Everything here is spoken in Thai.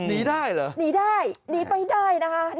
หนีได้หนีไปได้นะฮะ